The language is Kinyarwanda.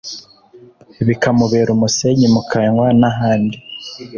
bikamubera umusenyi mukanwa nahandi